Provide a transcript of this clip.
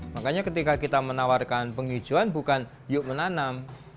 makanya ketika kita menawarkan penghijauan bukan yuk menanam